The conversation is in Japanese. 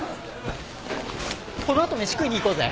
この後飯食いに行こうぜ。